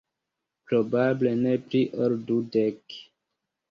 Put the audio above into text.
Probable ne pli ol dudek.